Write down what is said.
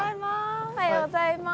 おはようございます。